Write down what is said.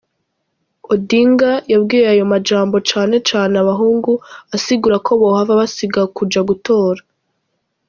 Odinga yabwiye ayo majambo cane cane abahungu asigura ko bohava basiba kuja gutora.